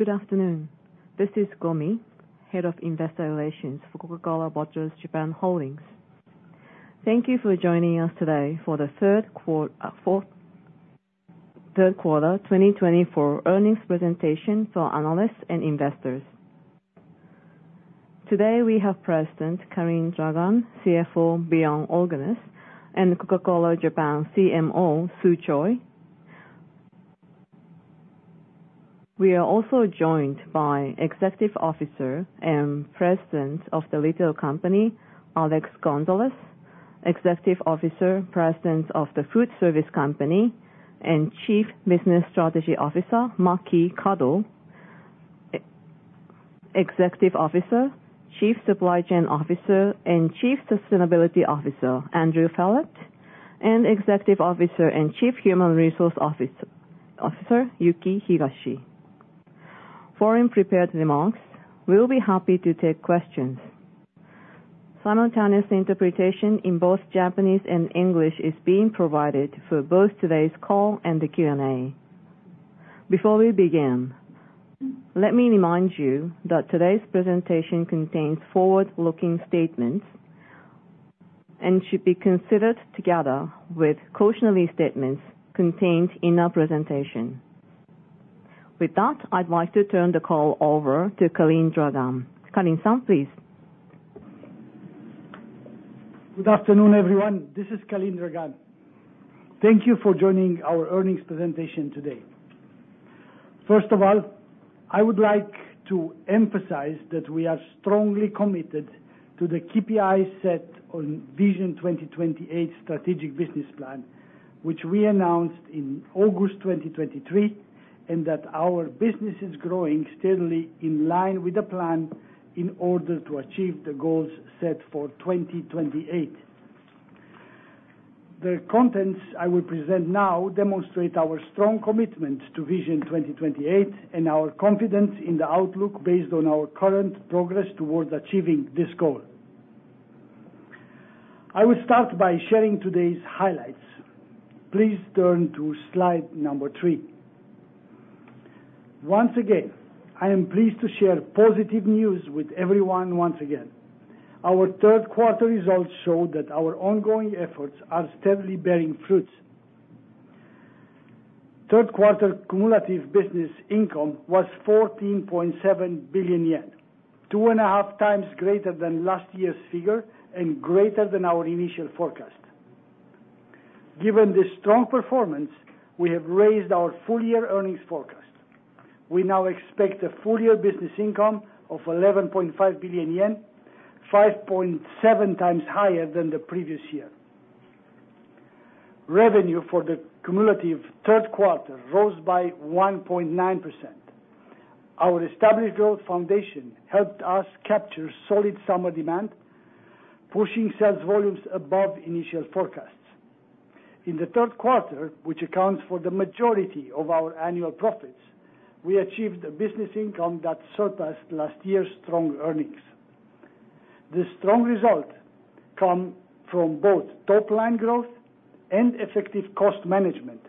Good afternoon. This is Gomi, Head of Investor Relations for Coca-Cola Bottlers Japan Holdings. Thank you for joining us today for the third quarter 2024 earnings presentation for analysts and investors. Today we have President Calin Dragan, CFO Bjorn Ivar Ulgenes, and Coca-Cola Japan CMO Su Choi. We are also joined by Executive Officer and President of the Retail Company, Alex Gonzalez, Executive Officer, President of the Food Service Company, and Chief Business Strategy Officer, Maki Kado, Executive Officer, Chief Supply Chain Officer, and Chief Sustainability Officer, Andrew Ferrett, and Executive Officer and Chief Human Resource Officer, Yuki Higashi. After prepared remarks, we'll be happy to take questions. Simultaneous interpretation in both Japanese and English is being provided for both today's call and the Q&A. Before we begin, let me remind you that today's presentation contains forward-looking statements and should be considered together with cautionary statements contained in our presentation. With that, I'd like to turn the call over to Calin Dragan. Calin-san, please. Good afternoon, everyone. This is Calin Dragan. Thank you for joining our earnings presentation today. First of all, I would like to emphasize that we are strongly committed to the KPI set on Vision 2028 Strategic Business Plan, which we announced in August 2023, and that our business is growing steadily in line with the plan in order to achieve the goals set for 2028. The contents I will present now demonstrate our strong commitment to Vision 2028 and our confidence in the outlook based on our current progress towards achieving this goal. I will start by sharing today's highlights. Please turn to slide number three. Once again, I am pleased to share positive news with everyone once again. Our third quarter results show that our ongoing efforts are steadily bearing fruits. Third quarter cumulative Business Income was 14.7 billion yen, two and a half times greater than last year's figure and greater than our initial forecast. Given this strong performance, we have raised our full-year earnings forecast. We now expect a full-year Business Income of 11.5 billion yen, 5.7 times higher than the previous year. Revenue for the cumulative third quarter rose by 1.9%. Our established growth foundation helped us capture solid summer demand, pushing sales volumes above initial forecasts. In the third quarter, which accounts for the majority of our annual profits, we achieved a Business Income that surpassed last year's strong earnings. This strong result comes from both top-line growth and effective cost management,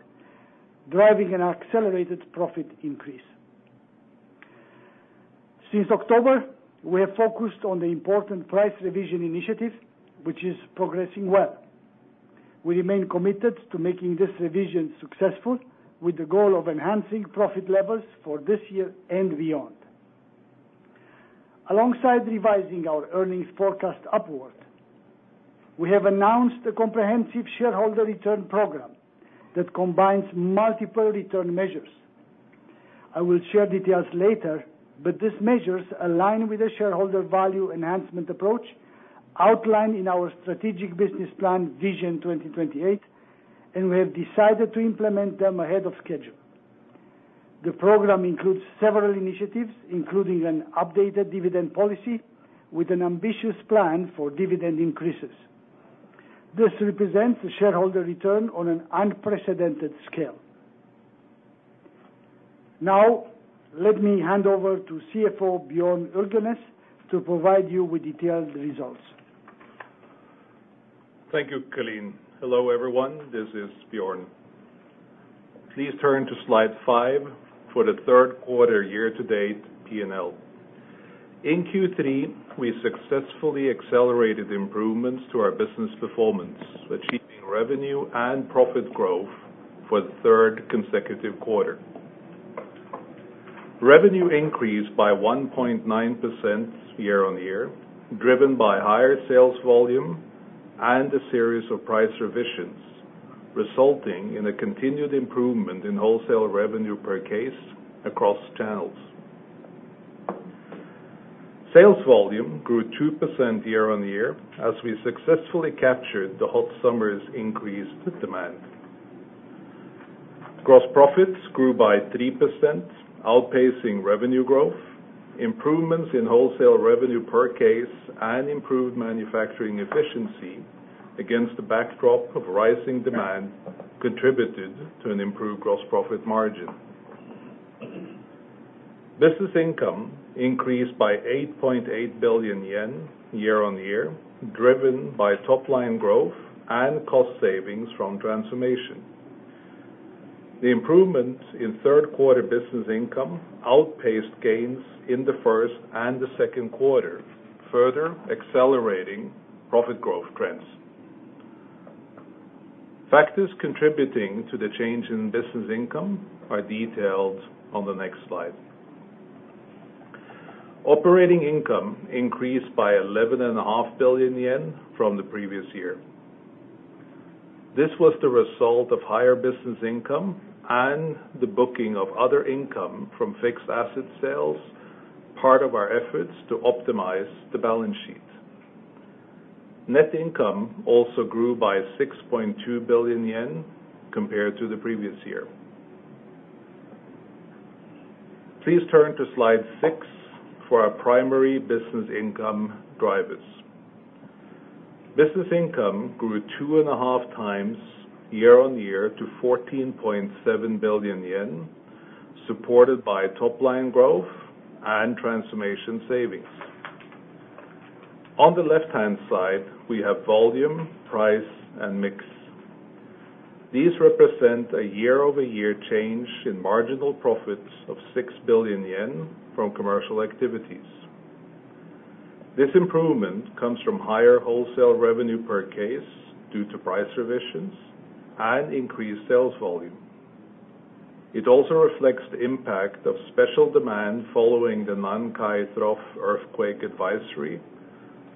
driving an accelerated profit increase. Since October, we have focused on the important price revision initiative, which is progressing well. We remain committed to making this revision successful with the goal of enhancing profit levels for this year and beyond. Alongside revising our earnings forecast upward, we have announced a comprehensive shareholder return program that combines multiple return measures. I will share details later, but these measures align with the shareholder value enhancement approach outlined in our Strategic Business Plan Vision 2028, and we have decided to implement them ahead of schedule. The program includes several initiatives, including an updated dividend policy with an ambitious plan for dividend increases. This represents a shareholder return on an unprecedented scale. Now, let me hand over to CFO Bjorn Ulgenes to provide you with detailed results. Thank you, Calin. Hello, everyone. This is Bjorn. Please turn to slide five for the third quarter year-to-date P&L. In Q3, we successfully accelerated improvements to our business performance, achieving revenue and profit growth for the third consecutive quarter. Revenue increased by 1.9% year-on-year, driven by higher sales volume and a series of price revisions, resulting in a continued improvement in wholesale revenue per case across channels. Sales volume grew 2% year-on-year as we successfully captured the hot summer's increased demand. Gross profits grew by 3%, outpacing revenue growth. Improvements in wholesale revenue per case, and improved manufacturing efficiency against the backdrop of rising demand contributed to an improved gross profit margin. Business income increased by 8.8 billion yen year-on-year, driven by top-line growth and cost savings from transformation. The improvement in third quarter business income outpaced gains in the first and the second quarter, further accelerating profit growth trends. Factors contributing to the change in business income are detailed on the next slide. Operating income increased by 11.5 billion yen from the previous year. This was the result of higher business income and the booking of other income from fixed asset sales, part of our efforts to optimize the balance sheet. Net income also grew by 6.2 billion yen compared to the previous year. Please turn to slide six for our primary business income drivers. Business income grew two and a half times year-on-year to 14.7 billion yen, supported by top-line growth and transformation savings. On the left-hand side, we have volume, price, and mix. These represent a year-over-year change in marginal profits of 6 billion yen from commercial activities. This improvement comes from higher wholesale revenue per case due to price revisions and increased sales volume. It also reflects the impact of special demand following the Nankai Trough earthquake advisory,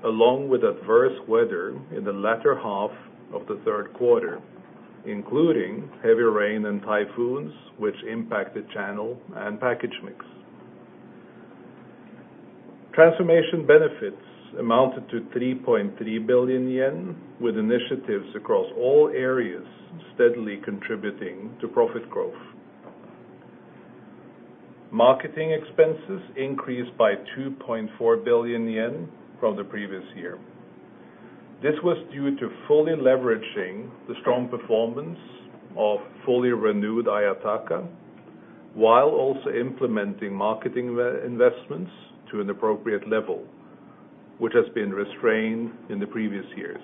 along with adverse weather in the latter half of the third quarter, including heavy rain and typhoons, which impacted channel and package mix. Transformation benefits amounted to 3.3 billion yen, with initiatives across all areas steadily contributing to profit growth. Marketing expenses increased by 2.4 billion yen from the previous year. This was due to fully leveraging the strong performance of fully renewed Ayataka, while also implementing marketing investments to an appropriate level, which has been restrained in the previous years.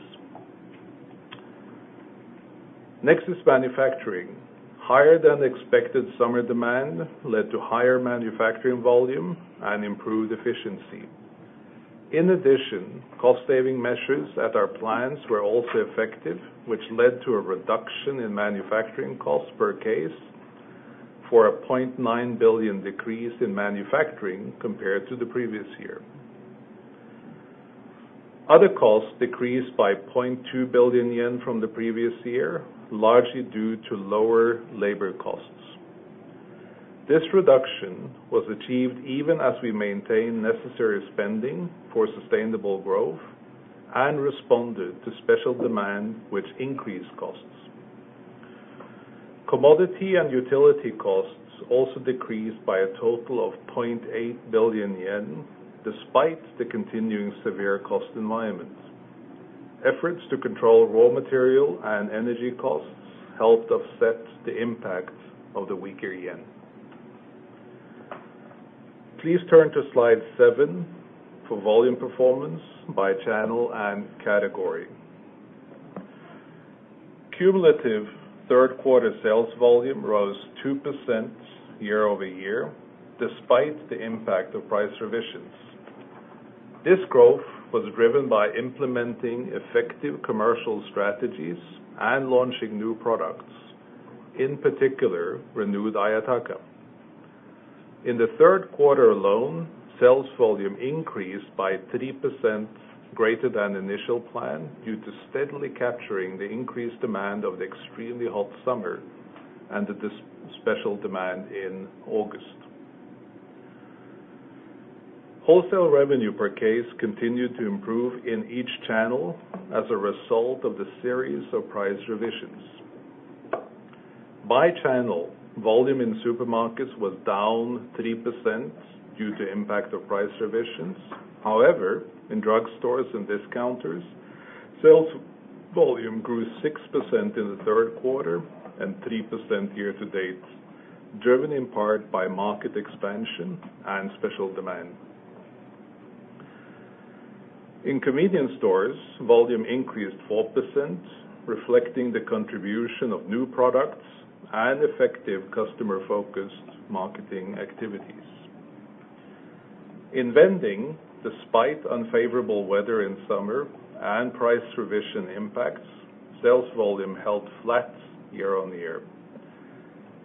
Next is manufacturing. Higher than expected summer demand led to higher manufacturing volume and improved efficiency. In addition, cost-saving measures at our plants were also effective, which led to a reduction in manufacturing costs per case, for a 0.9 billion decrease in manufacturing compared to the previous year. Other costs decreased by 0.2 billion yen from the previous year, largely due to lower labor costs. This reduction was achieved even as we maintained necessary spending for sustainable growth and responded to special demand, which increased costs. Commodity and utility costs also decreased by a total of 0.8 billion yen, despite the continuing severe cost environment. Efforts to control raw material and energy costs helped offset the impact of the weaker yen. Please turn to slide seven for volume performance by channel and category. Cumulative third quarter sales volume rose 2% year-over-year, despite the impact of price revisions. This growth was driven by implementing effective commercial strategies and launching new products, in particular, renewed Ayataka. In the third quarter alone, sales volume increased by 3% greater than initial plan due to steadily capturing the increased demand of the extremely hot summer and the special demand in August. Wholesale revenue per case continued to improve in each channel as a result of the series of price revisions. By channel, volume in supermarkets was down 3% due to the impact of price revisions. However, in drugstores and discounters, sales volume grew 6% in the third quarter and 3% year-to-date, driven in part by market expansion and special demand. In convenience stores, volume increased 4%, reflecting the contribution of new products and effective customer-focused marketing activities. In vending, despite unfavorable weather in summer and price revision impacts, sales volume held flat year-on-year.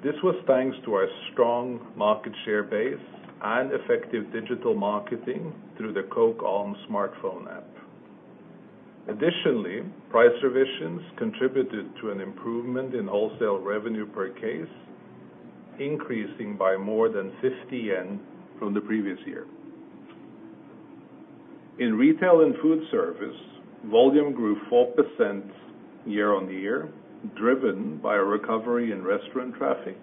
This was thanks to our strong market share base and effective digital marketing through the Coke ON smartphone app. Additionally, price revisions contributed to an improvement in wholesale revenue per case, increasing by more than 50 yen from the previous year. In retail and food service, volume grew 4% year-on-year, driven by a recovery in restaurant traffic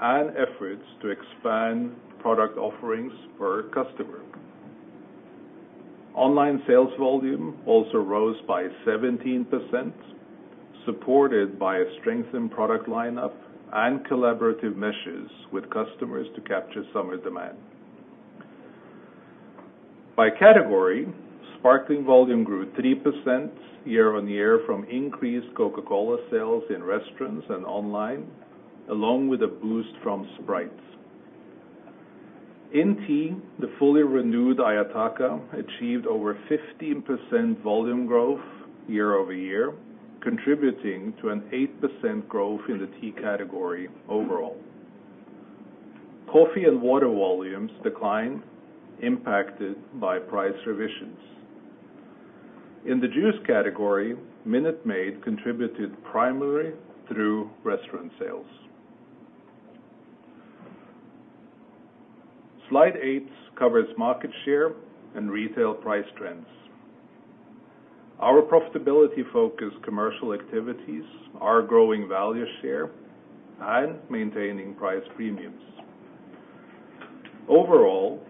and efforts to expand product offerings per customer. Online sales volume also rose by 17%, supported by a strengthened product lineup and collaborative measures with customers to capture summer demand. By category, sparkling volume grew 3% year-on-year from increased Coca-Cola sales in restaurants and online, along with a boost from Sprites. In tea, the fully renewed Ayataka achieved over 15% volume growth year-over-year, contributing to an 8% growth in the tea category overall. Coffee and water volumes declined, impacted by price revisions. In the juice category, Minute Maid contributed primarily through restaurant sales. Slide eight covers market share and retail price trends. Our profitability focused commercial activities are growing value share and maintaining price premiums. Overall,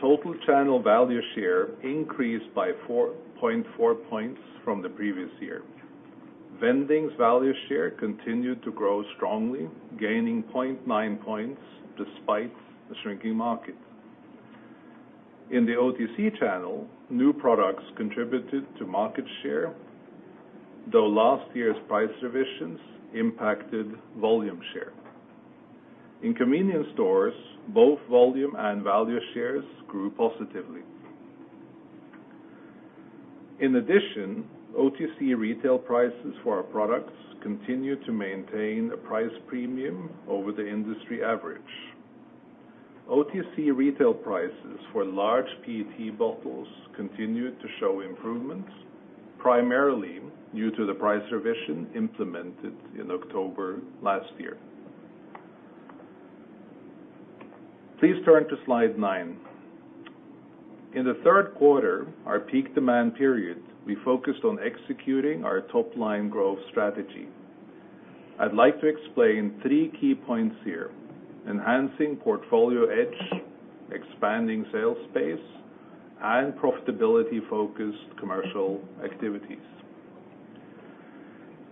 total channel value share increased by 4.4 points from the previous year. Vending's value share continued to grow strongly, gaining 0.9 points despite the shrinking market. In the OTC channel, new products contributed to market share, though last year's price revisions impacted volume share. In convenience stores, both volume and value shares grew positively. In addition, OTC retail prices for our products continue to maintain a price premium over the industry average. OTC retail prices for large PET bottles continue to show improvements, primarily due to the price revision implemented in October last year. Please turn to slide nine. In the third quarter, our peak demand period, we focused on executing our top-line growth strategy. I'd like to explain three key points here: enhancing portfolio edge, expanding sales space, and profitability-focused commercial activities.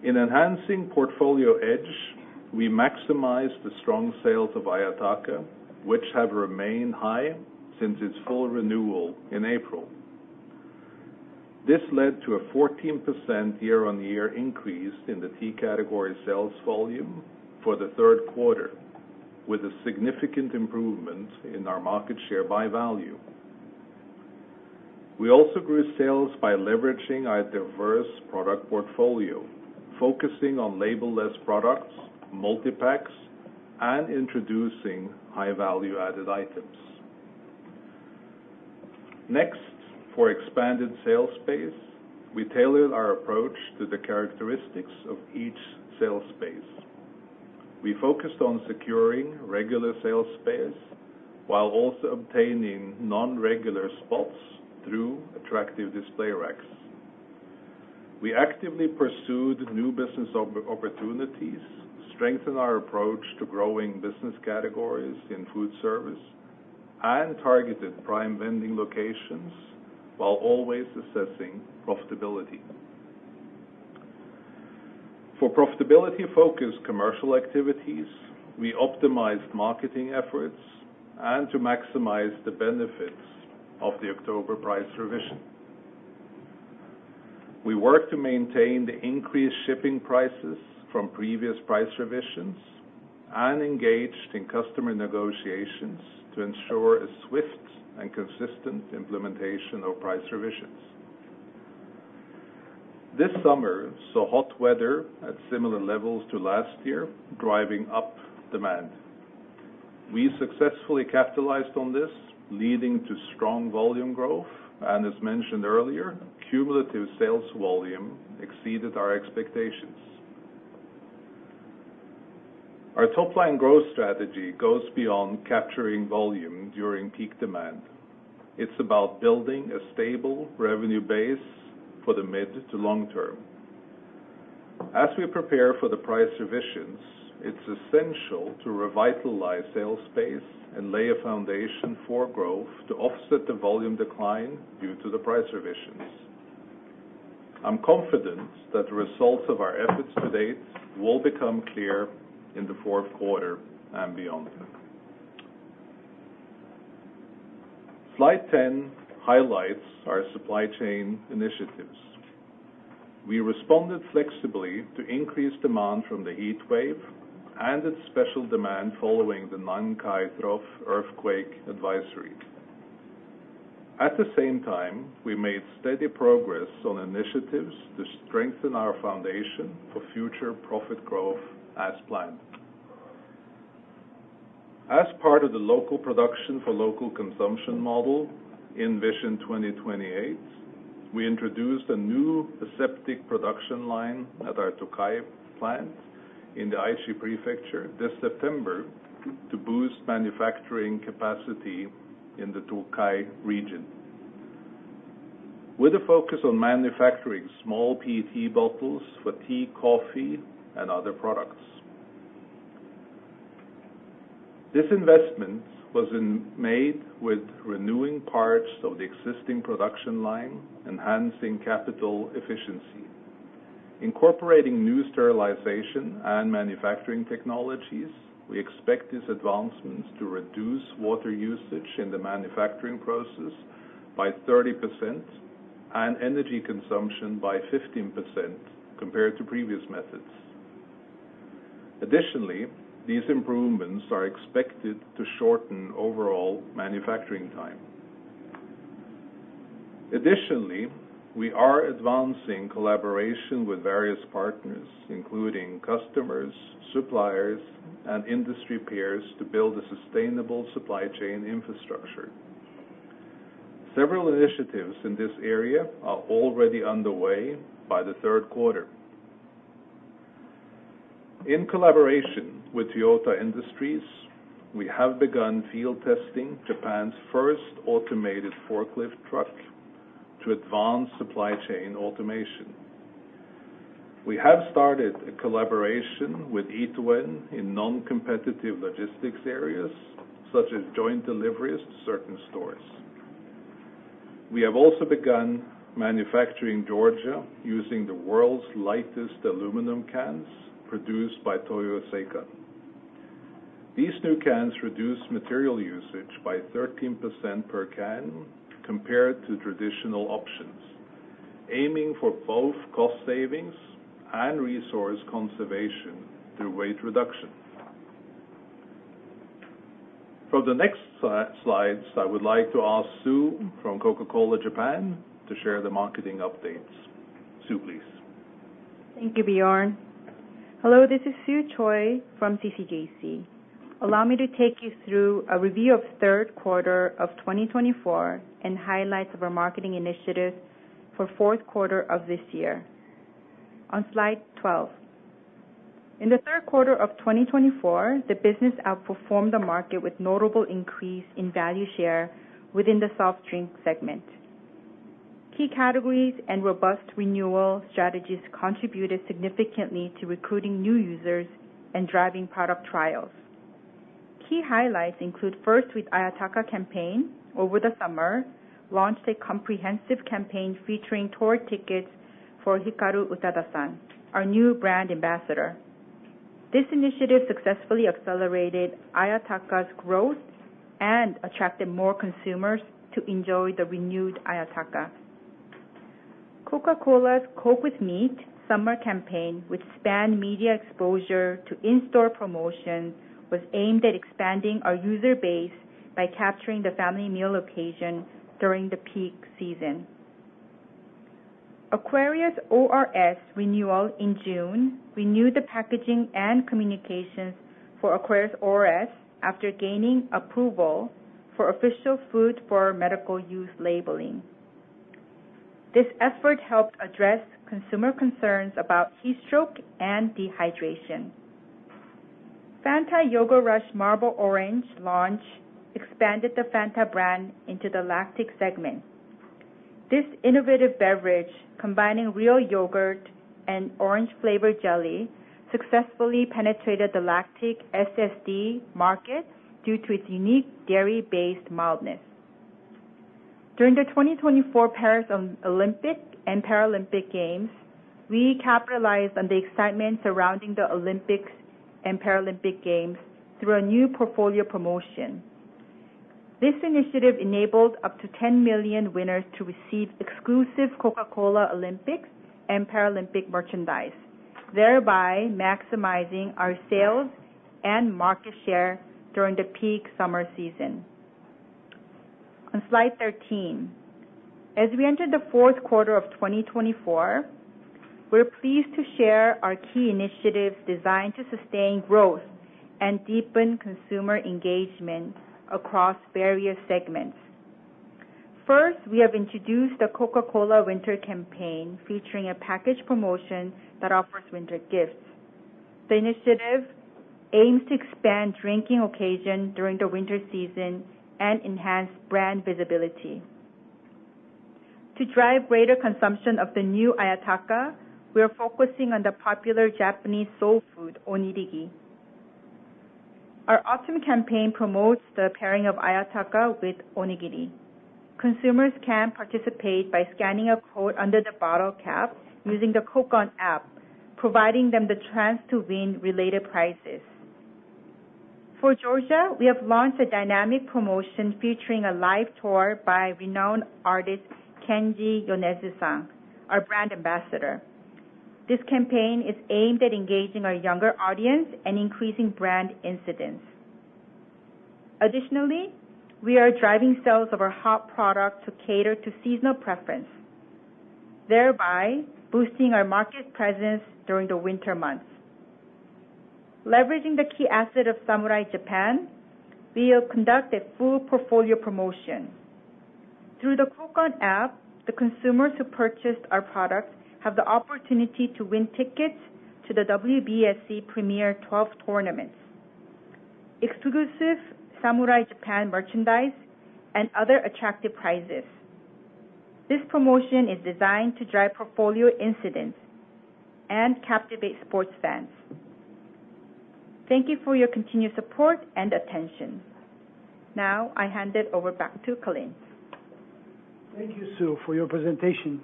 In enhancing portfolio edge, we maximized the strong sales of Ayataka, which have remained high since its full renewal in April. This led to a 14% year-on-year increase in the tea category sales volume for the third quarter, with a significant improvement in our market share by value. We also grew sales by leveraging our diverse product portfolio, focusing on label-less products, multi-packs, and introducing high-value added items. Next, for expanded sales space, we tailored our approach to the characteristics of each sales space. We focused on securing regular sales space while also obtaining non-regular spots through attractive display racks. We actively pursued new business opportunities, strengthened our approach to growing business categories in food service, and targeted prime vending locations while always assessing profitability. For profitability-focused commercial activities, we optimized marketing efforts to maximize the benefits of the October price revision. We worked to maintain the increased shipping prices from previous price revisions and engaged in customer negotiations to ensure a swift and consistent implementation of price revisions. This summer saw hot weather at similar levels to last year, driving up demand. We successfully capitalized on this, leading to strong volume growth, and as mentioned earlier, cumulative sales volume exceeded our expectations. Our top-line growth strategy goes beyond capturing volume during peak demand. It's about building a stable revenue base for the mid to long term. As we prepare for the price revisions, it's essential to revitalize sales space and lay a foundation for growth to offset the volume decline due to the price revisions. I'm confident that the results of our efforts to date will become clear in the fourth quarter and beyond. Slide 10 highlights our supply chain initiatives. We responded flexibly to increased demand from the heat wave and its special demand following the Nankai Trough earthquake advisory. At the same time, we made steady progress on initiatives to strengthen our foundation for future profit growth as planned. As part of the local production for local consumption model Vision 2028, we introduced a new aseptic production line at our Tokai plant in the Aichi Prefecture this September to boost manufacturing capacity in the Tokai region, with a focus on manufacturing small PET bottles for tea, coffee, and other products. This investment was made with renewing parts of the existing production line, enhancing capital efficiency. Incorporating new sterilization and manufacturing technologies, we expect these advancements to reduce water usage in the manufacturing process by 30% and energy consumption by 15% compared to previous methods. Additionally, these improvements are expected to shorten overall manufacturing time. Additionally, we are advancing collaboration with various partners, including customers, suppliers, and industry peers, to build a sustainable supply chain infrastructure. Several initiatives in this area are already underway by the third quarter. In collaboration with Toyota Industries, we have begun field testing Japan's first automated forklift truck to advance supply chain automation. We have started a collaboration with Ito En in non-competitive logistics areas, such as joint deliveries to certain stores. We have also begun manufacturing Georgia using the world's lightest aluminum cans produced by Toyo Seikan. These new cans reduce material usage by 13% per can compared to traditional options, aiming for both cost savings and resource conservation through weight reduction. From the next slides, I would like to ask Su from Coca-Cola Japan to share the marketing updates. Su, please. Thank you, Bjorn. Hello, this is Su Choi from CCJC. Allow me to take you through a review of third quarter of 2024 and highlights of our marketing initiatives for fourth quarter of this year. On slide 12, in the third quarter of 2024, the business outperformed the market with notable increase in value share within the soft drink segment. Key categories and robust renewal strategies contributed significantly to recruiting new users and driving product trials. Key highlights include first, with Ayataka Campaign over the summer, launched a comprehensive campaign featuring tour tickets for Hikaru Utada-san, our new brand ambassador. This initiative successfully accelerated Ayataka's growth and attracted more consumers to enjoy the renewed Ayataka. Coca-Cola's Coke with Meat Summer Campaign, which spanned media exposure to in-store promotion, was aimed at expanding our user base by capturing the family meal occasion during the peak season. Aquarius ORS renewal in June renewed the packaging and communications for Aquarius ORS after gaining approval for official food for medical use labeling. This effort helped address consumer concerns about heat stroke and dehydration. Fanta Yogurt Rush Marble Orange launch expanded the Fanta brand into the lactic segment. This innovative beverage, combining real yogurt and orange flavored jelly, successfully penetrated the lactic SSD market due to its unique dairy-based mildness. During the 2024 Paris Olympic and Paralympic Games, we capitalized on the excitement surrounding the Olympics and Paralympic Games through a new portfolio promotion. This initiative enabled up to 10 million winners to receive exclusive Coca-Cola Olympics and Paralympic merchandise, thereby maximizing our sales and market share during the peak summer season. On slide 13, as we enter the fourth quarter of 2024, we're pleased to share our key initiatives designed to sustain growth and deepen consumer engagement across various segments. First, we have introduced the Coca-Cola Winter Campaign, featuring a package promotion that offers winter gifts. The initiative aims to expand drinking occasions during the winter season and enhance brand visibility. To drive greater consumption of the new Ayataka, we are focusing on the popular Japanese soul food, onigiri. Our autumn campaign promotes the pairing of Ayataka with onigiri. Consumers can participate by scanning a code under the bottle cap using the Coke ON app, providing them the chance to win related prizes. For Georgia, we have launched a dynamic promotion featuring a live tour by renowned artist Kenshi Yonezu-san, our brand ambassador. This campaign is aimed at engaging our younger audience and increasing brand incidence. Additionally, we are driving sales of our hot product to cater to seasonal preference, thereby boosting our market presence during the winter months. Leveraging the key asset of Samurai Japan, we have conducted full portfolio promotion. Through the Coke ON app, the consumers who purchased our product have the opportunity to win tickets to the WBSC Premier 12 tournaments, exclusive Samurai Japan merchandise, and other attractive prizes. This promotion is designed to drive portfolio incidence and captivate sports fans. Thank you for your continued support and attention. Now, I hand it over back to Calin. Thank you, Sue, for your presentation.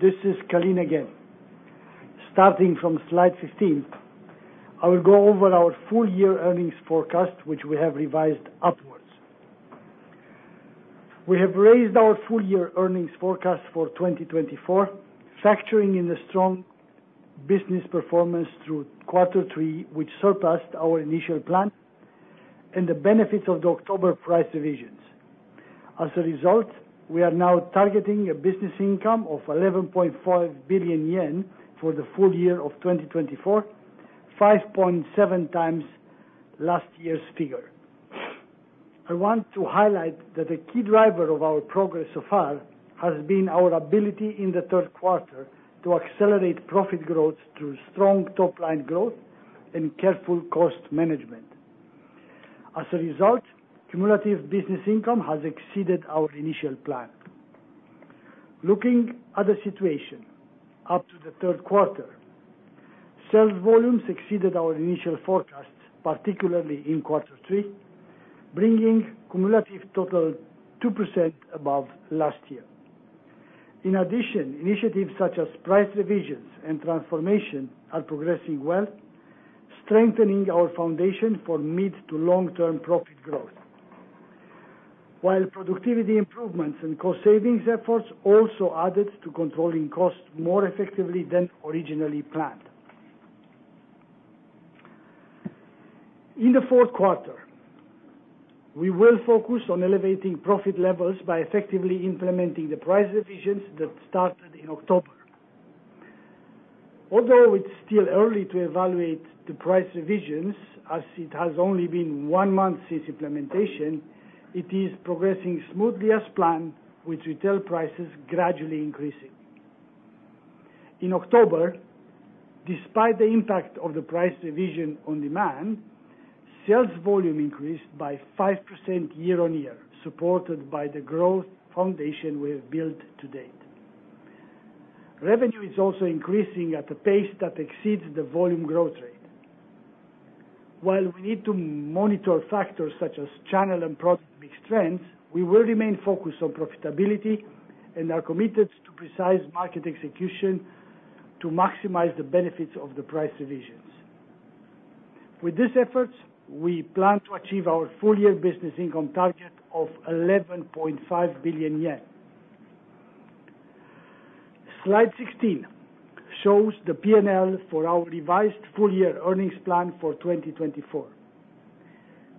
This is Calin again. Starting from slide 15, I will go over our full year earnings forecast, which we have revised upwards. We have raised our full year earnings forecast for 2024, factoring in the strong business performance through quarter three, which surpassed our initial plan, and the benefits of the October price revisions. As a result, we are now targeting a Business Income of 11.5 billion yen for the full year of 2024, 5.7 times last year's figure. I want to highlight that the key driver of our progress so far has been our ability in the third quarter to accelerate profit growth through strong top-line growth and careful cost management. As a result, cumulative business income has exceeded our initial plan. Looking at the situation up to the third quarter, sales volumes exceeded our initial forecasts, particularly in quarter three, bringing cumulative total 2% above last year. In addition, initiatives such as price revisions and transformation are progressing well, strengthening our foundation for mid to long-term profit growth, while productivity improvements and cost savings efforts also added to controlling costs more effectively than originally planned. In the fourth quarter, we will focus on elevating profit levels by effectively implementing the price revisions that started in October. Although it's still early to evaluate the price revisions, as it has only been one month since implementation, it is progressing smoothly as planned, with retail prices gradually increasing. In October, despite the impact of the price revision on demand, sales volume increased by 5% year on year, supported by the growth foundation we have built to date. Revenue is also increasing at a pace that exceeds the volume growth rate. While we need to monitor factors such as channel and product mix trends, we will remain focused on profitability and are committed to precise market execution to maximize the benefits of the price revisions. With these efforts, we plan to achieve our full year business income target of 11.5 billion yen. Slide 16 shows the P&L for our revised full year earnings plan for 2024.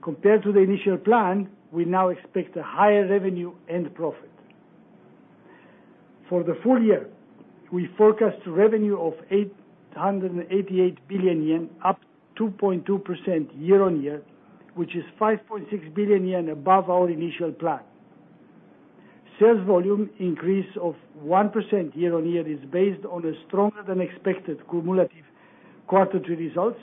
Compared to the initial plan, we now expect a higher revenue and profit. For the full year, we forecast revenue of 888 billion yen, up 2.2% year on year, which is 5.6 billion yen above our initial plan. Sales volume increase of 1% year on year is based on a stronger than expected cumulative quarter three results,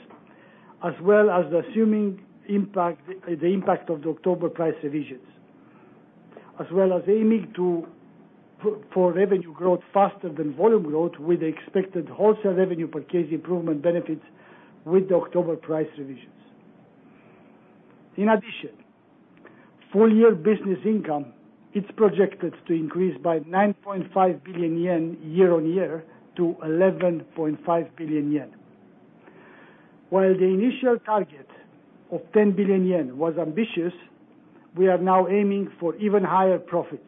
as well as assuming the impact of the October price revisions, as well as aiming for revenue growth faster than volume growth, with the expected wholesale revenue per case improvement benefits with the October price revisions. In addition, full year business income. It's projected to increase by 9.5 billion yen year on year to 11.5 billion yen. While the initial target of 10 billion yen was ambitious, we are now aiming for even higher profits.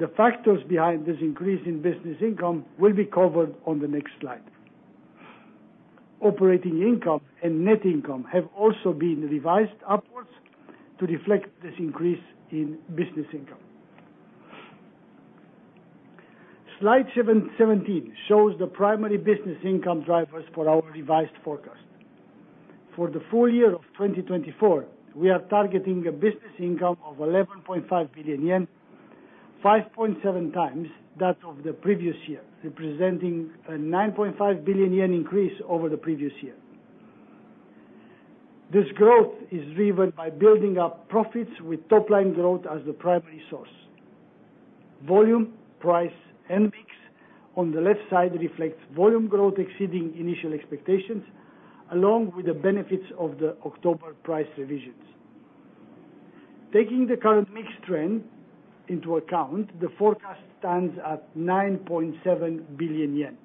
The factors behind this increase in business income will be covered on the next slide. Operating income and net income have also been revised upwards to reflect this increase in business income. Slide 17 shows the primary business income drivers for our revised forecast. For the full year of 2024, we are targeting a business income of 11.5 billion yen, 5.7 times that of the previous year, representing a 9.5 billion yen increase over the previous year. This growth is driven by building up profits with top-line growth as the primary source. Volume, price, and mix on the left side reflects volume growth exceeding initial expectations, along with the benefits of the October price revisions. Taking the current mix trend into account, the forecast stands at 9.7 billion yen.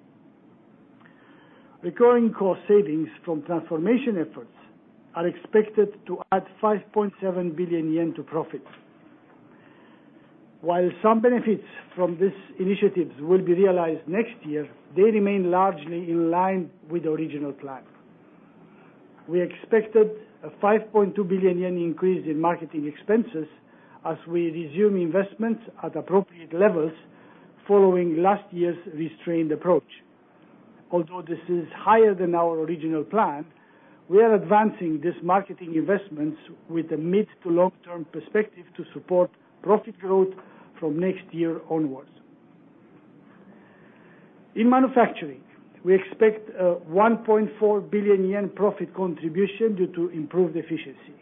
Recurring cost savings from transformation efforts are expected to add 5.7 billion yen to profit. While some benefits from these initiatives will be realized next year, they remain largely in line with the original plan. We expected a 5.2 billion yen increase in marketing expenses as we resume investments at appropriate levels following last year's restrained approach. Although this is higher than our original plan, we are advancing these marketing investments with a mid to long-term perspective to support profit growth from next year onwards. In manufacturing, we expect a 1.4 billion yen profit contribution due to improved efficiency.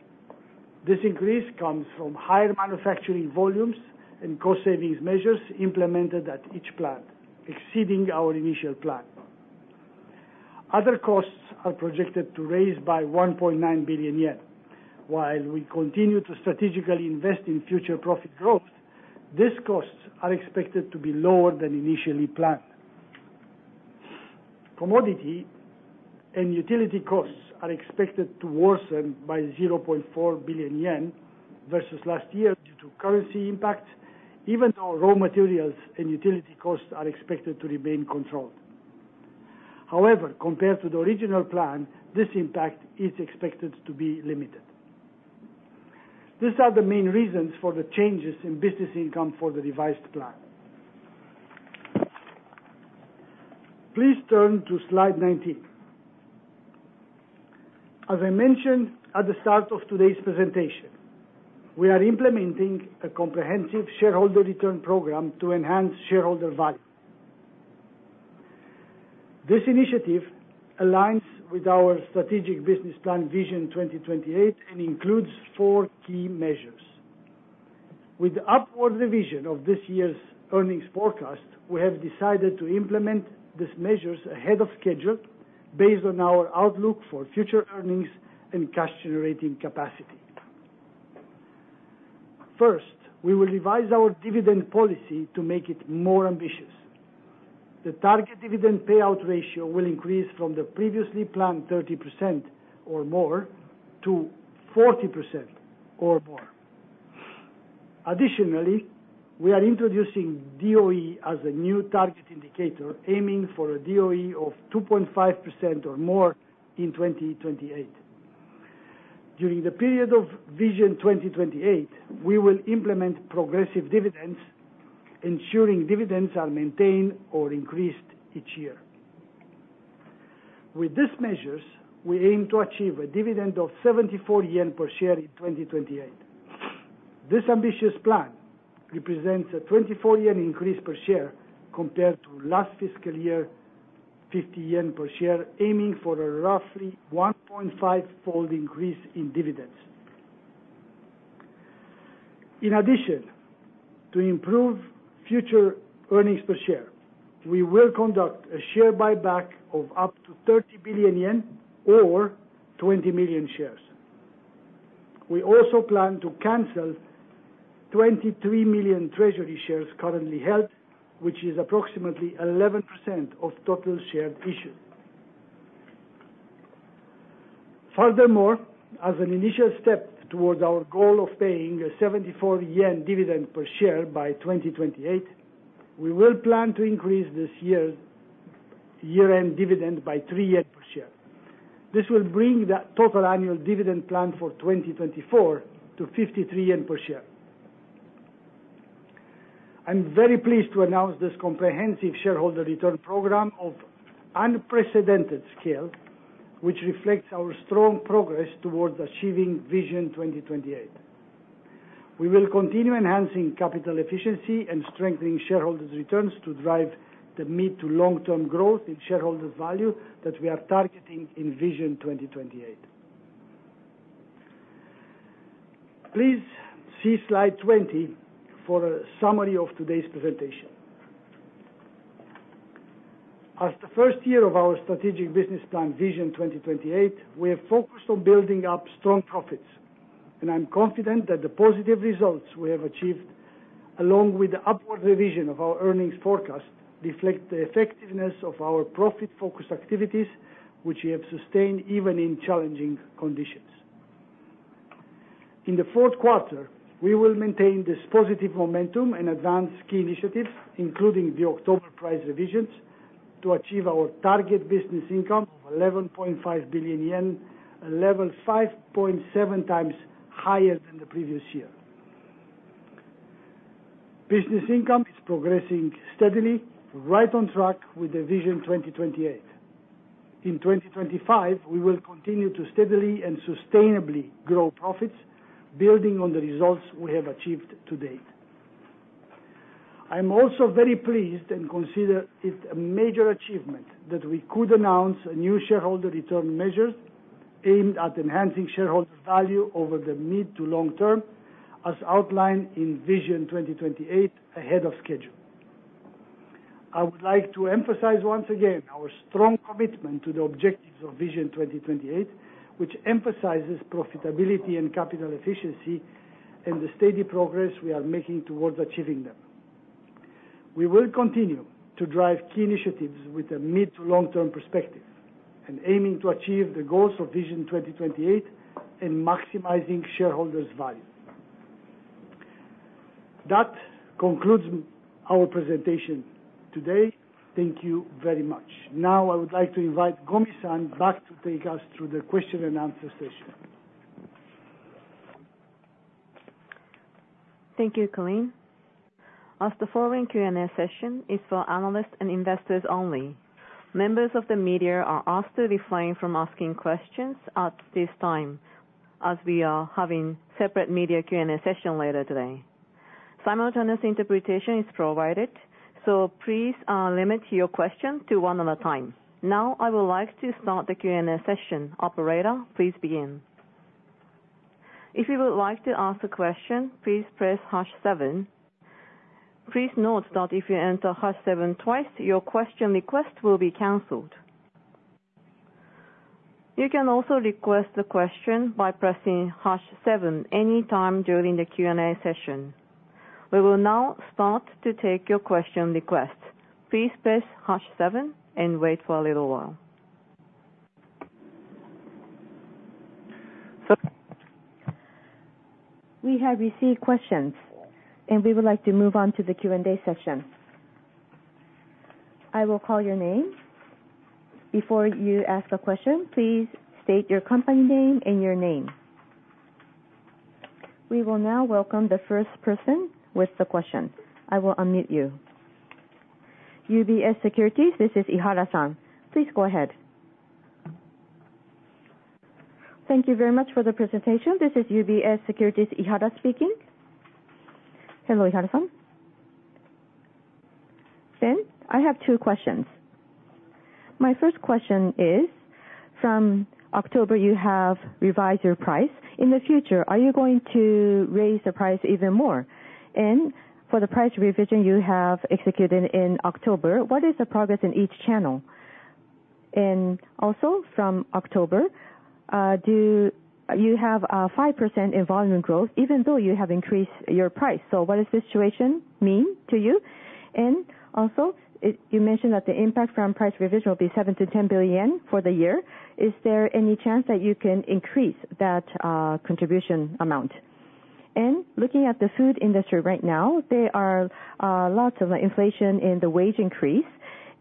This increase comes from higher manufacturing volumes and cost savings measures implemented at each plant, exceeding our initial plan. Other costs are projected to rise by 1.9 billion yen. While we continue to strategically invest in future profit growth, these costs are expected to be lower than initially planned. Commodity and utility costs are expected to worsen by 0.4 billion yen versus last year due to currency impacts, even though raw materials and utility costs are expected to remain controlled. However, compared to the original plan, this impact is expected to be limited. These are the main reasons for the changes in business income for the revised plan. Please turn to slide 19. As I mentioned at the start of today's presentation, we are implementing a comprehensive shareholder return program to enhance shareholder value. This initiative aligns with our strategic business plan Vision 2028 and includes four key measures. With the upward revision of this year's earnings forecast, we have decided to implement these measures ahead of schedule based on our outlook for future earnings and cash-generating capacity. First, we will revise our dividend policy to make it more ambitious. The target dividend payout ratio will increase from the previously planned 30% or more to 40% or more. Additionally, we are introducing DOE as a new target indicator, aiming for a DOE of 2.5% or more in 2028. During the period of Vision 2028, we will implement progressive dividends, ensuring dividends are maintained or increased each year. With these measures, we aim to achieve a dividend of 74 yen per share in 2028. This ambitious plan represents a 24 yen increase per share compared to last fiscal year's 50 yen per share, aiming for a roughly 1.5-fold increase in dividends. In addition, to improve future earnings per share, we will conduct a share buyback of up to 30 billion yen or 20 million shares. We also plan to cancel 23 million treasury shares currently held, which is approximately 11% of total shares issued. Furthermore, as an initial step towards our goal of paying a 74 yen dividend per share by 2028, we will plan to increase this year's year-end dividend by 3 per share. This will bring the total annual dividend plan for 2024 to 53 yen per share. I'm very pleased to announce this comprehensive shareholder return program of unprecedented scale, which reflects our strong progress towards achieving Vision 2028. We will continue enhancing capital efficiency and strengthening shareholders' returns to drive the mid to long-term growth in shareholders' value that we are targeting in Vision 2028. Please see slide 20 for a summary of today's presentation. As the first year of our strategic business plan Vision 2028, we have focused on building up strong profits, and I'm confident that the positive results we have achieved, along with the upward revision of our earnings forecast, reflect the effectiveness of our profit-focused activities, which we have sustained even in challenging conditions. In the fourth quarter, we will maintain this positive momentum and advance key initiatives, including the October price revisions, to achieve our target business income of 11.5 billion yen, a level 5.7 times higher than the previous year. Business Income is progressing steadily, right on track with the Vision 2028. In 2025, we will continue to steadily and sustainably grow profits, building on the results we have achieved to date. I'm also very pleased and consider it a major achievement that we could announce new shareholder return measures aimed at enhancing shareholders' value over the mid to long term, as outlined in Vision 2028 ahead of schedule. I would like to emphasize once again our strong commitment to the objectives of Vision 2028, which emphasizes profitability and capital efficiency and the steady progress we are making towards achieving them. We will continue to drive key initiatives with a mid to long-term perspective and aiming to achieve the goals of Vision 2028 and maximizing shareholders' value. That concludes our presentation today. Thank you very much. Now, I would like to invite Gomi-san back to take us through the question and answer session. Thank you, Calin. As the following Q&A session is for analysts and investors only, members of the media are asked to refrain from asking questions at this time, as we are having a separate media Q&A session later today. Simultaneous interpretation is provided, so please limit your questions to one at a time. Now, I would like to start the Q&A session. Operator, please begin. If you would like to ask a question, please press star seven. Please note that if you enter star seven twice, your question request will be canceled. You can also request a question by pressing star seven anytime during the Q&A session. We will now start to take your question request. Please press star seven and wait for a little while. We have received questions, and we would like to move on to the Q&A session. I will call your name. Before you ask a question, please state your company name and your name. We will now welcome the first person with the question. I will unmute you. UBS Securities, this is Ihara-san. Please go ahead. Thank you very much for the presentation. This is UBS Securities, Ihara speaking. Hello, Ihara-san. Then, I have two questions. My first question is, from October, you have revised your price. In the future, are you going to raise the price even more? And for the price revision you have executed in October, what is the progress in each channel? And also, from October, you have a 5% volume growth, even though you have increased your price. So what does this situation mean to you? And also, you mentioned that the impact from price revision will be 7 billion-10 billion yen for the year. Is there any chance that you can increase that contribution amount? And looking at the food industry right now, there are lots of inflation and the wage increase,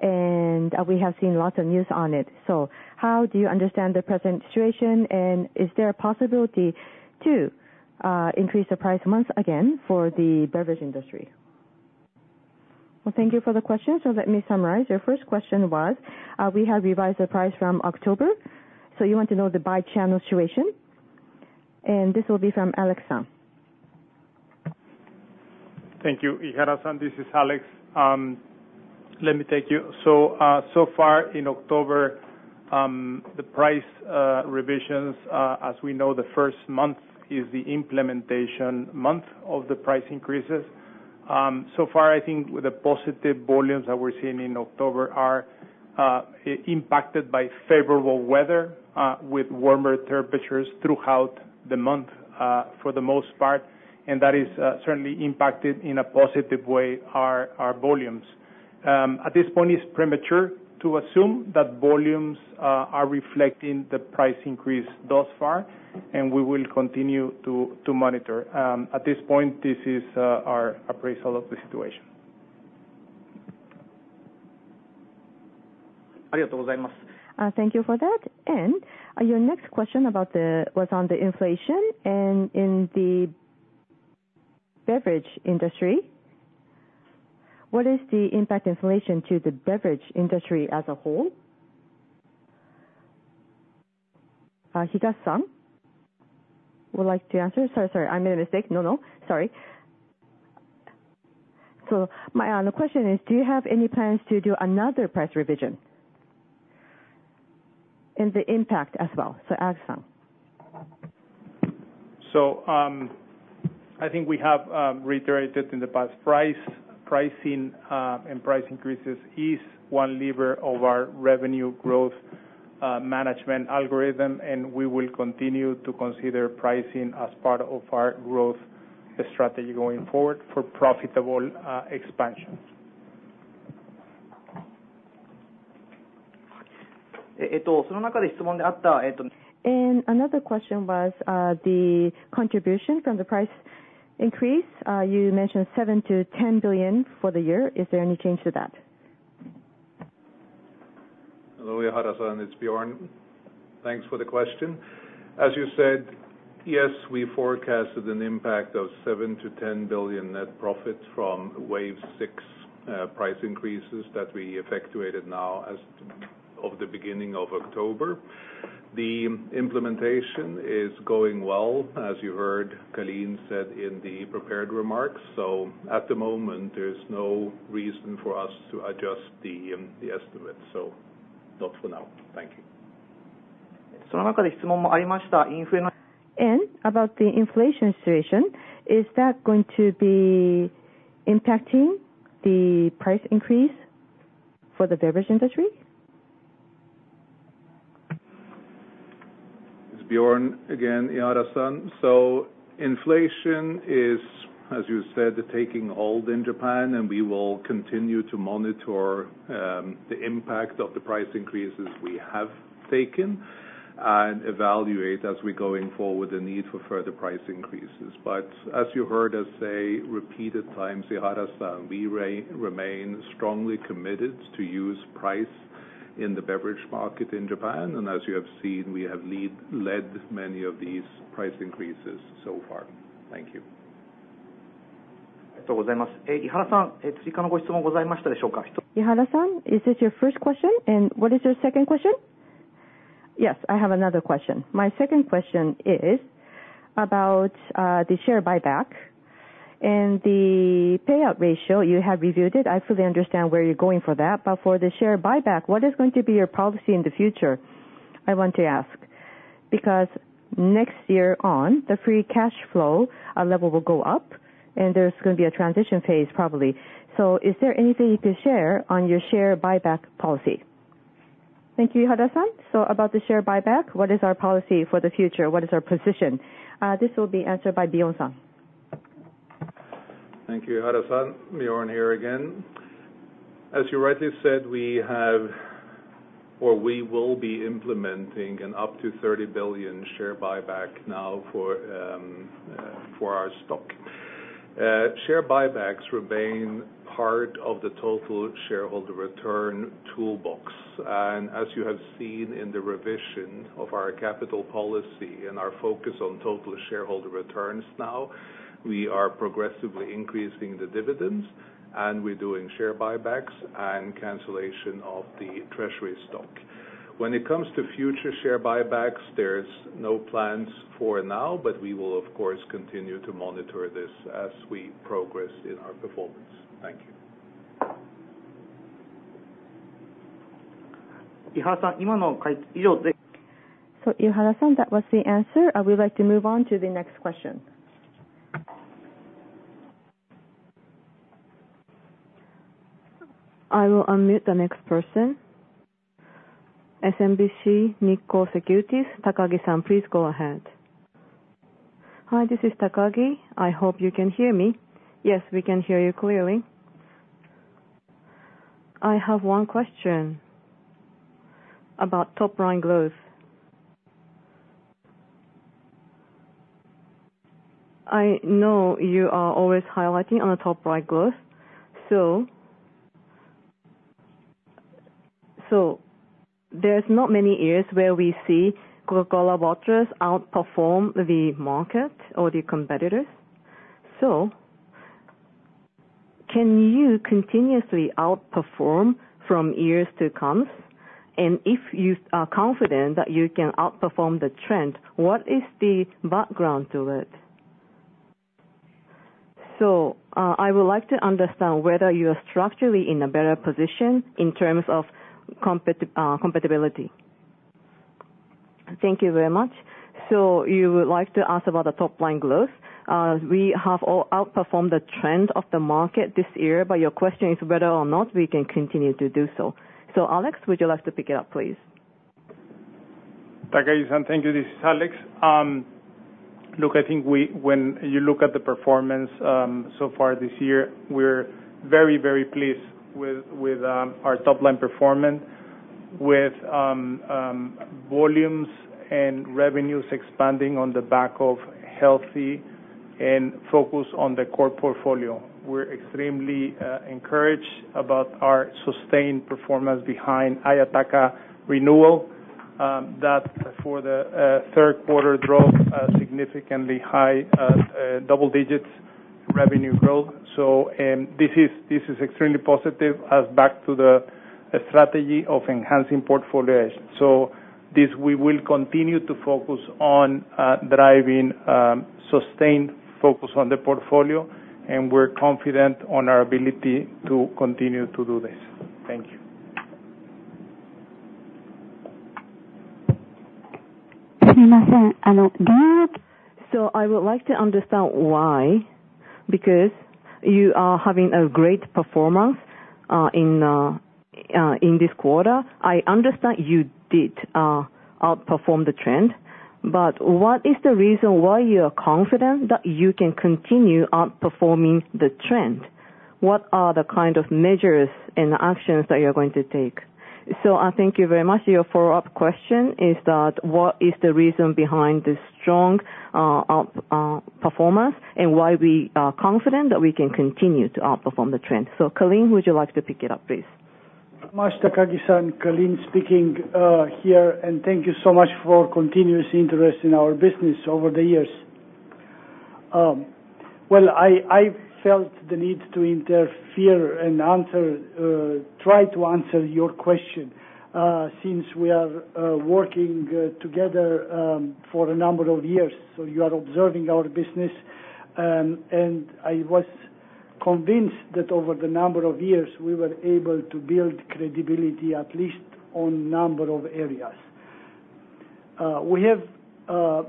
and we have seen lots of news on it. So how do you understand the present situation, and is there a possibility to increase the price once again for the beverage industry? Well, thank you for the questions. So let me summarize. Your first question was, we have revised the price from October. So you want to know the by-channel situation? And this will be from Alex-san. Thank you, Ihara-san. This is Alex. Let me take you. So far, in October, the price revisions, as we know, the first month is the implementation month of the price increases. So far, I think the positive volumes that we're seeing in October are impacted by favorable weather with warmer temperatures throughout the month for the most part. And that has certainly impacted in a positive way our volumes. At this point, it's premature to assume that volumes are reflecting the price increase thus far, and we will continue to monitor. At this point, this is our appraisal of the situation. Thank you for that. And your next question was on the inflation and in the beverage industry. What is the impact of inflation to the beverage industry as a whole? Higashi-san, would you like to answer? Sorry, sorry. I made a mistake. No, no. Sorry. So my question is, do you have any plans to do another price revision? And the impact as well. So Alex-san. I think we have reiterated in the past, pricing and price increases is one lever of our revenue growth management algorithm, and we will continue to consider pricing as part of our growth strategy going forward for profitable expansion. And another question was the contribution from the price increase. You mentioned 7 billion-10 billion for the year. Is there any change to that? Hello, Ihara-san. It's Bjorn. Thanks for the question. As you said, yes, we forecasted an impact of 7 billion-10 billion net profit from wave six price increases that we effectuated now as of the beginning of October. The implementation is going well, as you heard Calin said in the prepared remarks. So at the moment, there's no reason for us to adjust the estimates. So not for now. Thank you. And about the inflation situation, is that going to be impacting the price increase for the beverage industry? It's Bjorn again, Ihara-san. So inflation is, as you said, taking hold in Japan, and we will continue to monitor the impact of the price increases we have taken and evaluate as we go forward the need for further price increases. But as you heard us say repeated times, Ihara-san, we remain strongly committed to use price in the beverage market in Japan. And as you have seen, we have led many of these price increases so far. Thank you. Ihara-san, is this your first question? And what is your second question? Yes, I have another question. My second question is about the share buyback and the payout ratio. You have reviewed it. I fully understand where you're going for that. But for the share buyback, what is going to be your policy in the future? I want to ask. Because next year on, the free cash flow level will go up, and there's going to be a transition phase probably. So is there anything you could share on your share buyback policy? Thank you, Ihara-san. So about the share buyback, what is our policy for the future? What is our position? This will be answered by Bjorn-san. Thank you, Ihara-san. Bjorn here again. As you rightly said, we have or we will be implementing an up to 30 billion share buyback now for our stock. Share buybacks remain part of the total shareholder return toolbox. And as you have seen in the revision of our capital policy and our focus on total shareholder returns now, we are progressively increasing the dividends, and we're doing share buybacks and cancellation of the treasury stock. When it comes to future share buybacks, there's no plans for now, but we will, of course, continue to monitor this as we progress in our performance. Thank you. So Ihara-san, that was the answer. I would like to move on to the next question. I will unmute the next person. SMBC Nikko Securities, Takagi-san, please go ahead. Hi, this is Takagi. I hope you can hear me. Yes, we can hear you clearly. I have one question about top-line growth. I know you are always highlighting on the top-line growth. So there's not many years where we see Coca-Cola Waters outperform the market or the competitors. Can you continuously outperform in years to come? And if you are confident that you can outperform the trend, what is the background to it? I would like to understand whether you are structurally in a better position in terms of capability. Thank you very much. You would like to ask about the top-line growth. We have outperformed the trend of the market this year, but your question is whether or not we can continue to do so. Alex, would you like to pick it up, please? Takagi-san, thank you. This is Alex. Look, I think when you look at the performance so far this year, we're very, very pleased with our top-line performance, with volumes and revenues expanding on the back of health and focus on the core portfolio. We're extremely encouraged about our sustained performance behind Ayataka renewal. That for the third quarter drove significantly high double-digit revenue growth. So this is extremely positive as back to the strategy of enhancing portfolio. So we will continue to focus on driving sustained focus on the portfolio, and we're confident on our ability to continue to do this. Thank you. So I would like to understand why, because you are having a great performance in this quarter. I understand you did outperform the trend, but what is the reason why you are confident that you can continue outperforming the trend? What are the kind of measures and actions that you're going to take? So I thank you very much. Your follow-up question is that what is the reason behind the strong performance and why we are confident that we can continue to outperform the trend? So Calin, would you like to pick it up, please? Takagi-san, Calin speaking here, and thank you so much for continuous interest in our business over the years. Well, I felt the need to interfere and try to answer your question since we are working together for a number of years. So you are observing our business, and I was convinced that over the number of years, we were able to build credibility at least on a number of areas. We have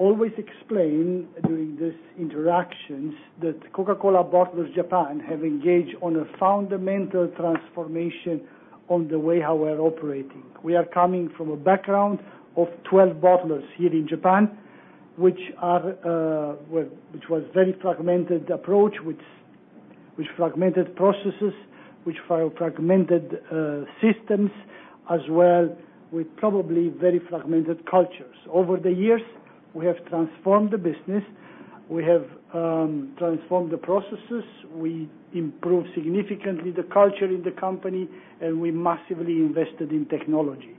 always explained during these interactions that Coca-Cola Bottlers Japan have engaged on a fundamental transformation on the way how we're operating. We are coming from a background of 12 bottlers here in Japan, which was a very fragmented approach, which fragmented processes, which fragmented systems, as well with probably very fragmented cultures. Over the years, we have transformed the business. We have transformed the processes. We improved significantly the culture in the company, and we massively invested in technology.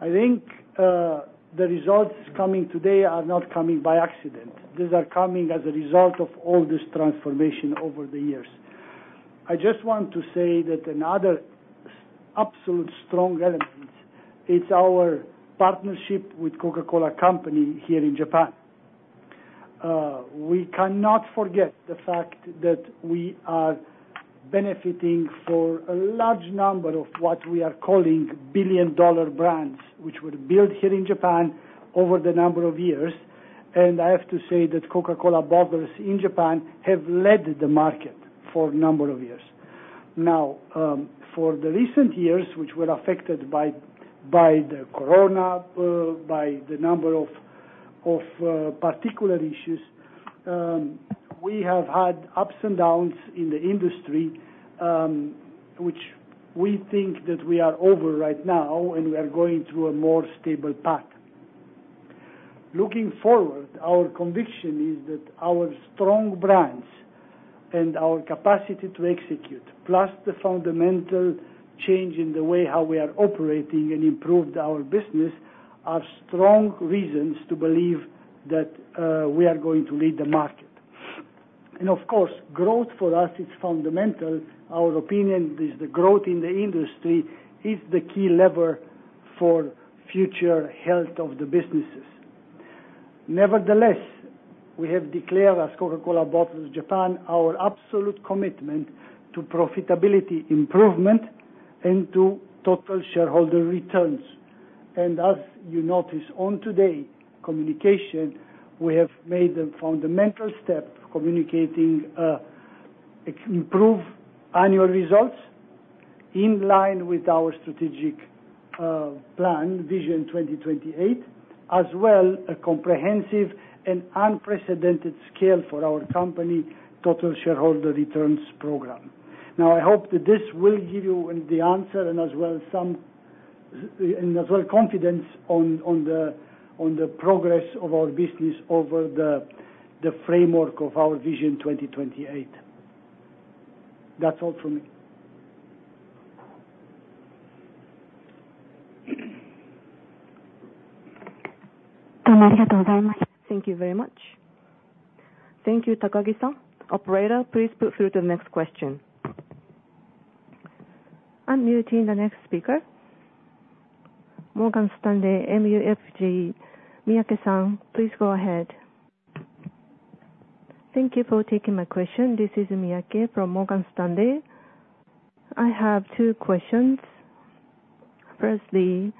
I think the results coming today are not coming by accident. These are coming as a result of all this transformation over the years. I just want to say that another absolute strong element is our partnership with Coca-Cola Company here in Japan. We cannot forget the fact that we are benefiting for a large number of what we are calling billion-dollar brands, which were built here in Japan over the number of years, and I have to say that Coca-Cola Waters in Japan have led the market for a number of years. Now, for the recent years, which were affected by the corona, by the number of particular issues, we have had ups and downs in the industry, which we think that we are over right now, and we are going through a more stable path. Looking forward, our conviction is that our strong brands and our capacity to execute, plus the fundamental change in the way how we are operating and improved our business, are strong reasons to believe that we are going to lead the market, and of course, growth for us is fundamental. Our opinion is the growth in the industry is the key lever for future health of the businesses. Nevertheless, we have declared as Coca-Cola Bottlers Japan Holdings our absolute commitment to profitability improvement and to total shareholder returns. As you noticed on today's communication, we have made the fundamental step of communicating improved annual results in line with our strategic plan, Vision 2028, as well as a comprehensive and unprecedented scale for our company total shareholder returns program. Now, I hope that this will give you the answer and as well as confidence on the progress of our business over the framework of our Vision 2028. That's all from me. Thank you very much. Thank you, Takagi-san. Operator, please put through to the next question. I'm muting the next speaker. Morgan Stanley, MUFG. Miyake-san, please go ahead. Thank you for taking my question. This is Miyake from Morgan Stanley. I have two questions. Firstly,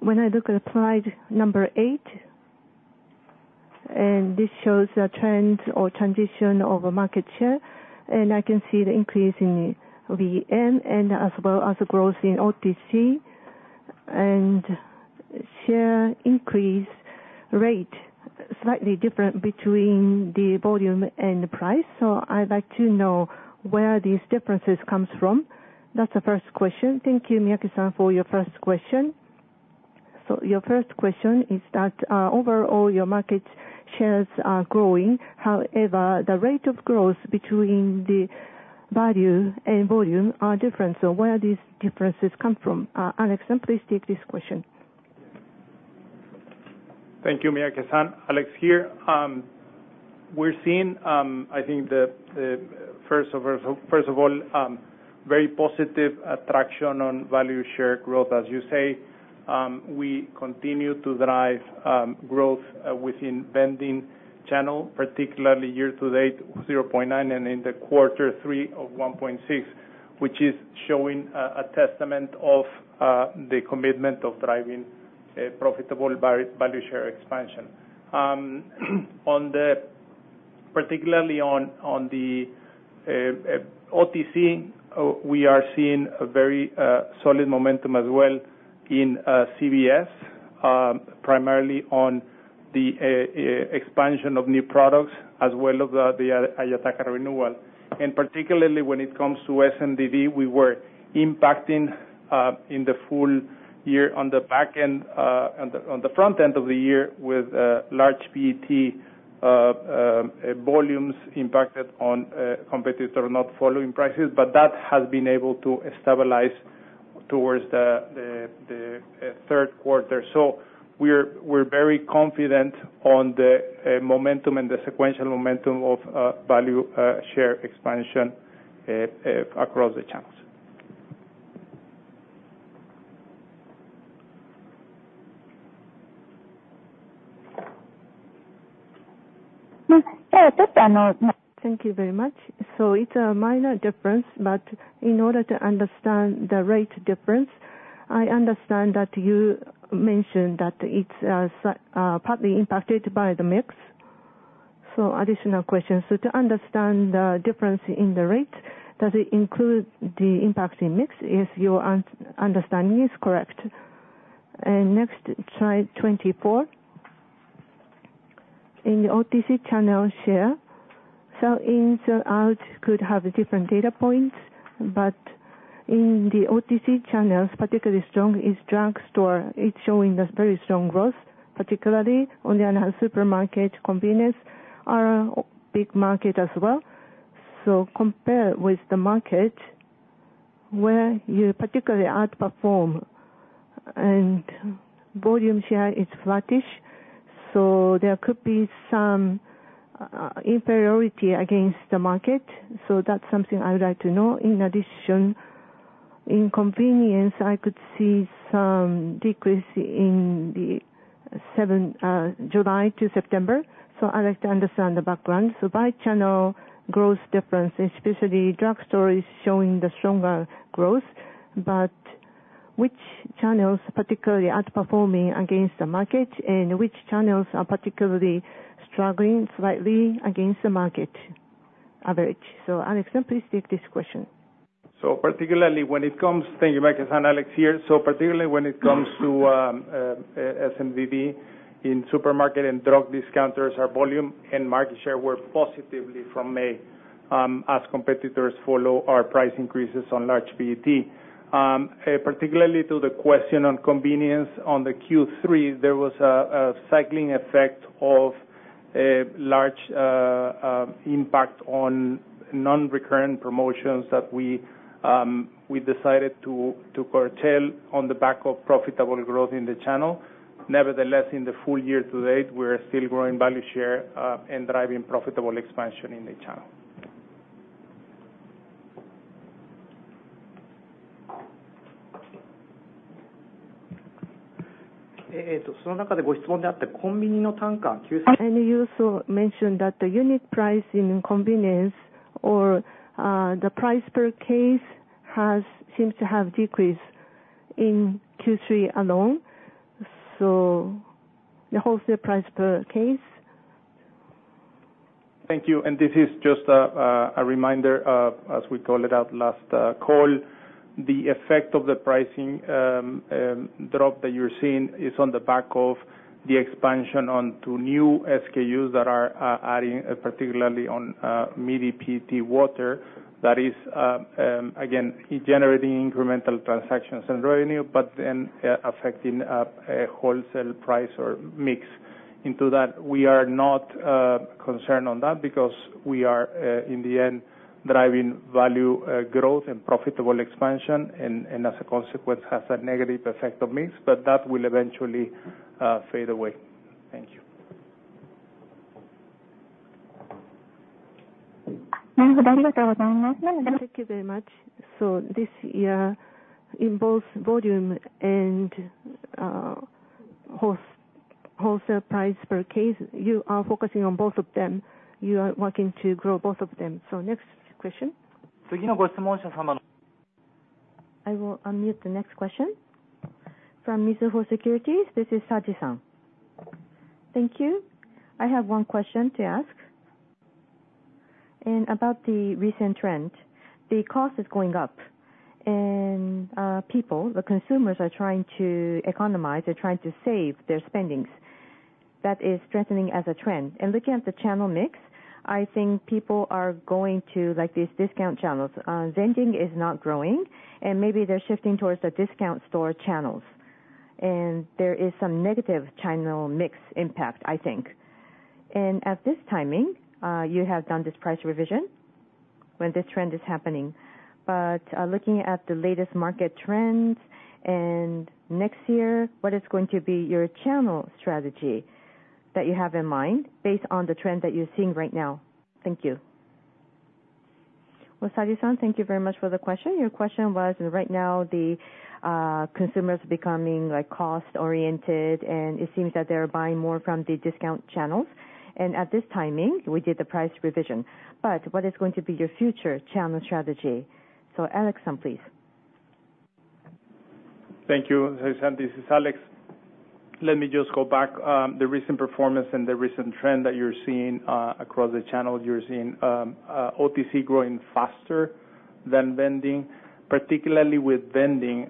when I look at slide number eight, and this shows a trend or transition of market share, and I can see the increase in VM and as well as growth in OTC and share increase rate slightly different between the volume and the price. So I'd like to know where these differences come from. That's the first question. Thank you, Miyake-san, for your first question. So your first question is that overall, your market shares are growing. However, the rate of growth between the value and volume are different. So where do these differences come from? Alex, please take this question. Thank you, Miyake-san. Alex here. We're seeing, I think, first of all, very positive traction on value share growth, as you say. We continue to drive growth within vending channel, particularly year-to-date 0.9% and in the quarter three of 1.6%, which is showing a testament of the commitment of driving profitable value share expansion. Particularly on the OTC, we are seeing a very solid momentum as well in CVS, primarily on the expansion of new products as well as the Ayataka renewal, and particularly when it comes to S&DD, we were impacted in the full year on the back end, on the front end of the year with large PET volumes impacted on competitor not following prices, but that has been able to stabilize towards the third quarter, so we're very confident on the momentum and the sequential momentum of value share expansion across the channels. Thank you very much. So, it's a minor difference, but in order to understand the rate difference, I understand that you mentioned that it's partly impacted by the mix. So, additional questions. So, to understand the difference in the rate, does it include the impact in mix if your understanding is correct? And next, slide 24. In the OTC channel share, sell-ins and outs could have different data points, but in the OTC channels, particularly strong is drug store. It's showing a very strong growth, particularly on the supermarket, convenience, are a big market as well. So, compared with the market where you particularly outperform and volume share is flattish, so there could be some inferiority against the market. So, that's something I'd like to know. In addition, in convenience, I could see some decrease in July to September. So, I'd like to understand the background. By channel growth difference, especially drug store is showing the stronger growth, but which channels particularly outperforming against the market and which channels are particularly struggling slightly against the market average? So Alex, please take this question. So particularly when it comes. Thank you, Miyake-san. Alex here. So particularly when it comes to S&DD in supermarket and drug discounters are volume and market share were positively from May as competitors follow our price increases on large PET. Particularly to the question on convenience on the Q3, there was a cycling effect of large impact on non-recurrent promotions that we decided to curtail on the back of profitable growth in the channel. Nevertheless, in the full year to date, we are still growing value share and driving profitable expansion in the channel. And you also mentioned that the unit price in convenience or the price per case seems to have decreased in Q3 alone. So the wholesale price per case. Thank you. And this is just a reminder of, as we call it out last call, the effect of the pricing drop that you're seeing is on the back of the expansion onto new SKUs that are adding, particularly on Midi PET water. That is, again, generating incremental transactions and revenue, but then affecting wholesale price or mix. Into that, we are not concerned on that because we are, in the end, driving value growth and profitable expansion, and as a consequence, has a negative effect on mix, but that will eventually fade away. Thank you. Thank you very much. So this year involves volume and wholesale price per case. You are focusing on both of them. You are working to grow both of them. So next question. I will unmute the next question. From Mizuho Securities, this is Saji-san. Thank you. I have one question to ask. And about the recent trend, the cost is going up, and people, the consumers, are trying to economize. They're trying to save their spendings. That is strengthening as a trend. And looking at the channel mix, I think people are going to like these discount channels. Vending is not growing, and maybe they're shifting towards the discount store channels. And there is some negative channel mix impact, I think. And at this timing, you have done this price revision when this trend is happening. But looking at the latest market trends and next year, what is going to be your channel strategy that you have in mind based on the trend that you're seeing right now? Thank you. Well, Saji-san, thank you very much for the question. Your question was, right now, the consumers are becoming cost-oriented, and it seems that they're buying more from the discount channels, and at this timing, we did the price revision, but what is going to be your future channel strategy? Alex, please. Thank you. This is Alex. Let me just go back. The recent performance and the recent trend that you're seeing across the channel, you're seeing OTC growing faster than vending. Particularly with vending,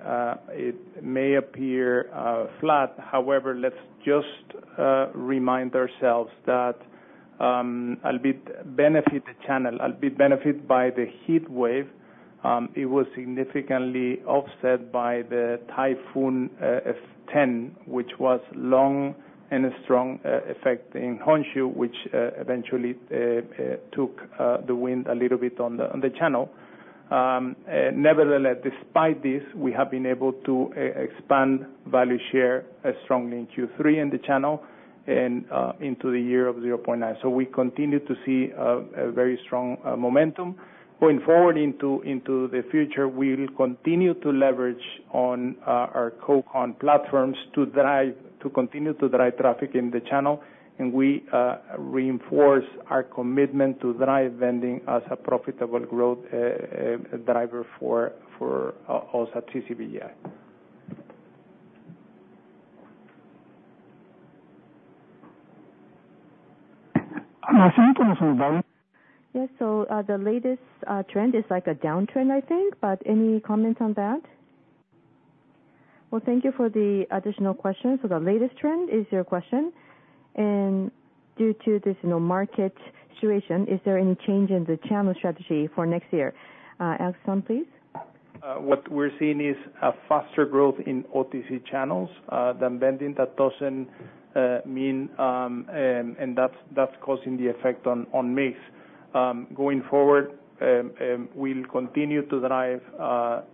it may appear flat. However, let's just remind ourselves that it benefited the channel. It benefited by the heat wave. It was significantly offset by the Typhoon F10, which was long and a strong effect in Honshu, which eventually took the wind a little bit on the channel. Nevertheless, despite this, we have been able to expand value share strongly in Q3 and the channel and into the year of 0.9%. So we continue to see a very strong momentum. Going forward into the future, we'll continue to leverage on our Coke ON platforms to continue to drive traffic in the channel, and we reinforce our commitment to drive vending as a profitable growth driver for us at CCBJI. Yes. So the latest trend is like a downtrend, I think, but any comments on that? Well, thank you for the additional question. So the latest trend is your question. And due to this market situation, is there any change in the channel strategy for next year? Alex, please. What we're seeing is a faster growth in OTC channels than vending. That doesn't mean, and that's causing the effect on mix. Going forward, we'll continue to drive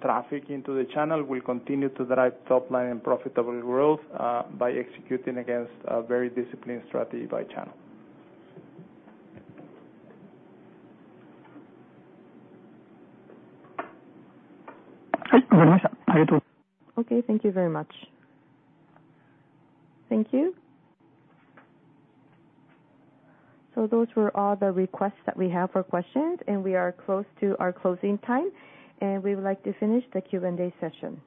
traffic into the channel. We'll continue to drive top-line and profitable growth by executing against a very disciplined strategy by channel. Okay. Thank you very much. Thank you. So those were all the requests that we have for questions, and we are close to our closing time, and we would like to finish the Q&A session.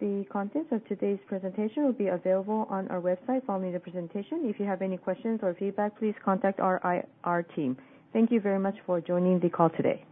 The contents of today's presentation will be available on our website following the presentation. If you have any questions or feedback, please contact our team. Thank you very much for joining the call today.